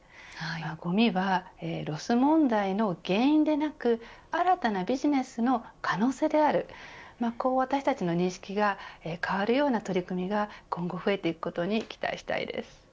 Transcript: ごみはロス問題の原因でなく新たなビジネスの可能性であるこう、私たちの認識が変わるような取り組みが今後増えていくことに期待したいです。